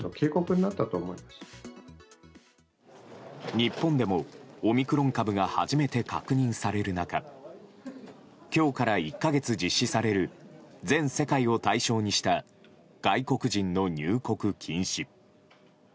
日本でもオミクロン株が初めて確認される中今日から１か月実施される全世界を対象にした外国人の入国禁止。